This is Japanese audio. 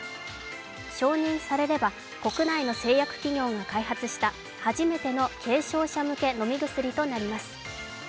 承認されれば国内の製薬企業が開発した初めての軽症者向け飲み薬となります。